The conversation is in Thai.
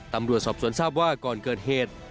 ตำรวจสอบสวนทราบว่าก่อนเกิดเหตุ